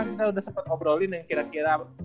kita udah sempet obrolin yang kira kira